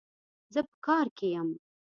زه په کار کي يم